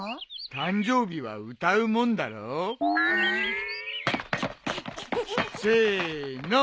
誕生日は歌うもんだろ？せーの。